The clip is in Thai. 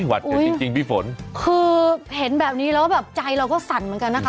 วัดอุดจริงจริงพี่ฝนคือเห็นแบบนี้แล้วแบบใจเราก็สั่นเหมือนกันนะคะ